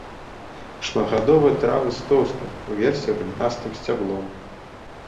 Шматгадовыя травы з тоўстым, уверсе галінастым сцяблом.